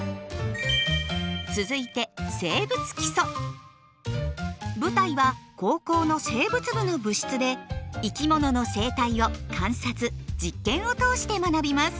続いて舞台は高校の生物部の部室で生き物の生態を観察・実験を通して学びます。